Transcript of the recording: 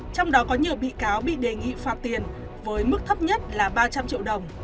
trong đó có nhiều bị cáo bị đề nghị phạt tiền với mức thấp nhất là ba trăm linh triệu đồng